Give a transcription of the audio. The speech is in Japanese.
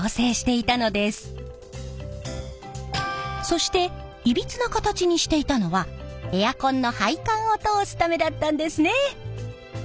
そしていびつな形にしていたのはエアコンの配管を通すためだったんですね！